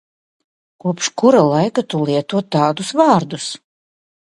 Kopš kura laika tu lieto tādus vārdus?